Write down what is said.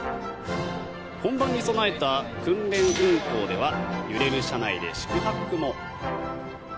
本番に備えた訓練運行では揺れる車内で四苦八苦も。